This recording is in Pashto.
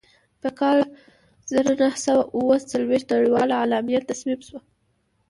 په کال زر نهه سوه اووه څلوېښت نړیواله اعلامیه تصویب شوه.